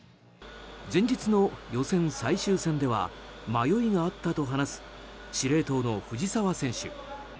前日の予選最終戦では迷いがあったと話す司令塔の藤澤選手。